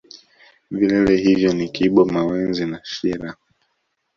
vilele hivyo ni kibo mawenzi na shira